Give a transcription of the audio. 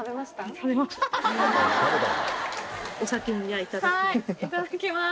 いただきます。